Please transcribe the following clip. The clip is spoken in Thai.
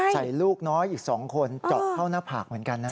ลูกน้อยอีก๒คนเจาะเข้าหน้าผากเหมือนกันนะ